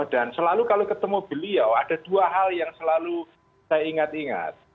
dan selalu kalau ketemu beliau ada dua hal yang selalu saya ingat ingat